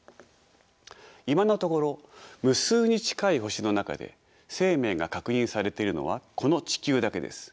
今のところ無数に近い星の中で生命が確認されているのはこの地球だけです。